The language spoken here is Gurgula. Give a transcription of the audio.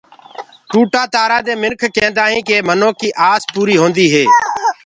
ٽوٽآ تآرآ دي مِنک ڪيندآ هينٚ ڪي منو ڪيٚ آس پوري هونديٚ هي۔